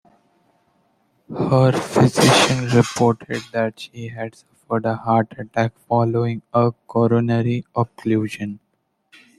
Her physician reported that she had suffered a heart attack following a coronary occlusion.